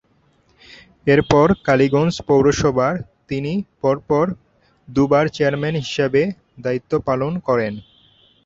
এরপর কালিগঞ্জ পৌরসভার তিনি পরপর দু’বার চেয়ারম্যান হিসেবে দায়িত্ব পালন করেন।